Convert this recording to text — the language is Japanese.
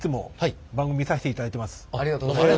ありがとうございます！